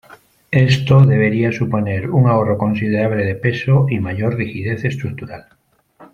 Esto debería suponer un ahorro considerable de peso y mayor rigidez estructural.